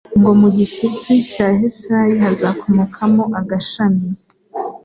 ngo «Mu gishyitsi cya Yesayi hazakomokamo agashami,